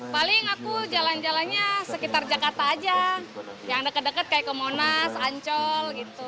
paling aku jalan jalannya sekitar jakarta saja yang dekat dekat seperti ke monas ancol